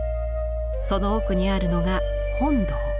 その奥にあるのが本堂。